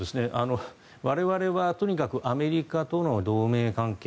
我々はとにかくアメリカとの同盟関係